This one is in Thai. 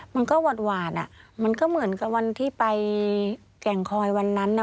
มันก็หวานอ่ะมันก็เหมือนกับวันที่ไปแก่งคอยวันนั้นน่ะ